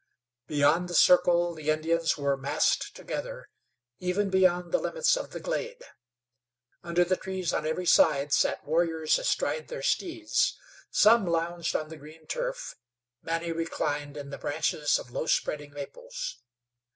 Beyond the circle the Indians were massed together, even beyond the limits of the glade. Under the trees on every side sat warriors astride their steeds; some lounged on the green turf; many reclined in the branches of low spreading maples.